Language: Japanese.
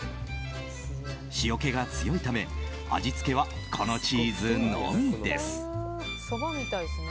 塩気が強いため味付けはこのチーズのみです。